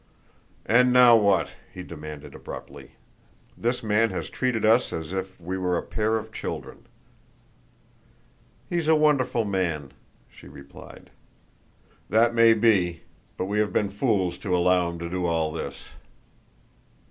"And now what?" he demanded abruptly. "This man has treated us as if we were a pair of children." "He's a wonderful man," she replied. "That may be but we have been fools to allow him to do all this."